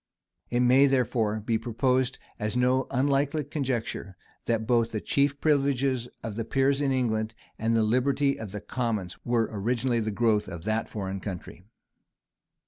It may, therefore, be proposed as no unlikely conjecture, that both the chief privileges of the peers in England and the liberty of the commons were originally the growth of that foreign country.